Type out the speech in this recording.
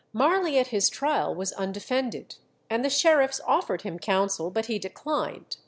Marley at his trial was undefended, and the sheriffs offered him counsel; but he declined.